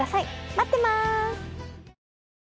待ってます。